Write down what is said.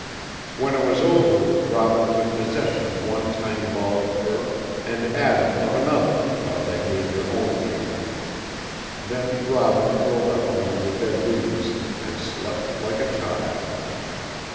When it was over, Robin took possession of one tiny ball of fur, and Adam of another, while they made their own meal. Then Robin curled up among the dead leaves, and slept like a child.